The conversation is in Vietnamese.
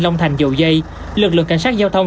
long thành dầu dây lực lượng cảnh sát giao thông